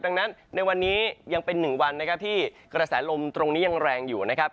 ดังนั้นในวันนี้ยังเป็นหนึ่งวันนะครับที่กระแสลมตรงนี้ยังแรงอยู่นะครับ